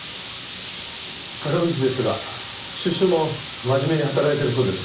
坂口ですが出所後真面目に働いてるそうです。